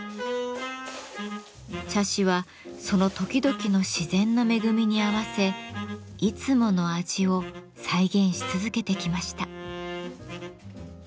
茶師はその時々の自然の恵みに合わせいつもの味を再現し続けてきました。